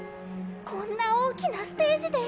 こんな大きなステージで。